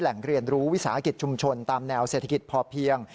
เรียนรู้วิสาหกิจชุมชนตามแนวเศรษฐกิจพอเพียง